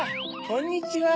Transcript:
こんにちは。